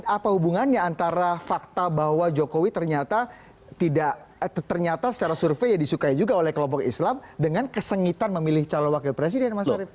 apa hubungannya antara fakta bahwa jokowi ternyata tidak ternyata secara survei ya disukai juga oleh kelompok islam dengan kesengitan memilih calon wakil presiden mas arief